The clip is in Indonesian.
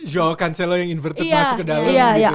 joe cancelo yang inverted masuk ke dalam gitu iya